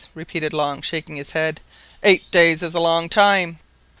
repeated Long, shaking his head; "eight days is a long time."